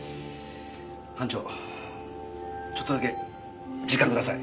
班長ちょっとだけ時間ください。